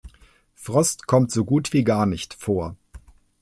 Frost kommt so gut wie gar nicht vor.